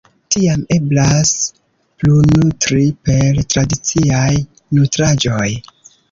Tiam eblas plunutri per tradiciaj nutraĵoj.